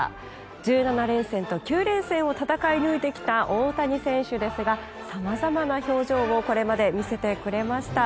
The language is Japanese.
１７連戦と９連戦を戦い抜いてきた大谷選手ですがさまざまな表情をこれまで見せてくれました。